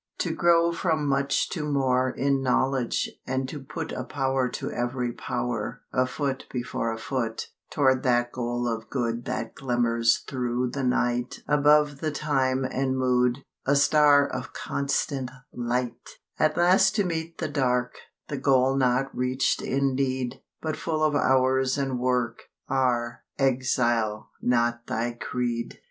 To grow from much to more In knowledge, and to put A power to every power, A foot before a foot, Toward that goal of good That glimmers thro' the night Above the time and mood, A star of constant light; At last to meet the dark, The goal not reach'd indeed, But full of hours and work, Are, Exile, not thy creed.